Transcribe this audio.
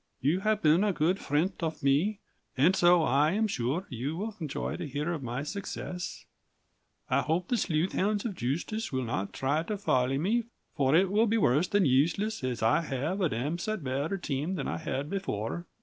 "You have Bin a good frent off me and so I am shure you will enjoy to heer of my success i hope the slooth hounds of Justiss will not try to folly me for it will be worse than Useles as i have a damsite better team than i had Before.